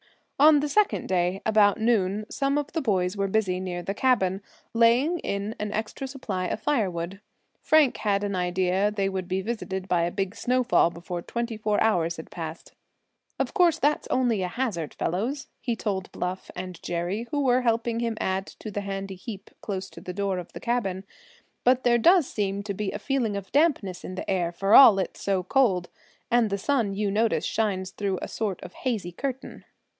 On the second day, about noon, some of the boys were busy near the cabin, laying in an extra supply of firewood. Frank had an idea they would be visited by a big snowfall before twenty four hours had passed. "Of course that's only a hazard, fellows," he told Bluff and Jerry, who were helping him add to the handy heap close to the door of the cabin, "but there does seem to be a feeling of dampness in the air, for all it's so cold; and the sun, you notice, shines through a sort of hazy curtain."